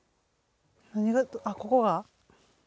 何があっここが！